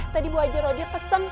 tadi bu ajar roh dia kesan